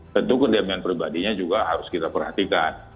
tentu kedamaian pribadinya juga harus kita perhatikan